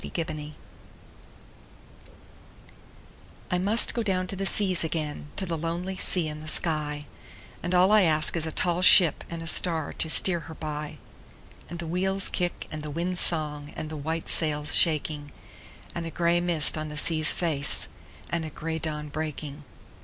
Y Z Sea Fever I MUST down to the seas again, to the lonely sea and the sky, And all I ask is a tall ship and a star to steer her by, And the wheel's kick and the wind's song and the white sail's shaking, And a gray mist on the sea's face, and a gray dawn breaking.